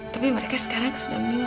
tapi mereka sekarang sudah